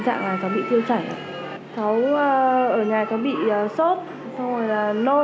tình trạng là cháu bị tiêu chảy cháu ở nhà có bị sốt nôn cháu bị đi ngoài